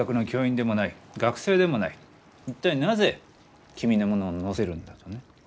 一体なぜ君のものを載せるんだとね。